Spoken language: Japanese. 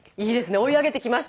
追い上げてきました。